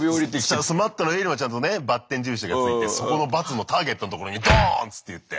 そのマットの上にもちゃんとねバッテン印が付いてそこのバツのターゲットのところにドーンっつっていって。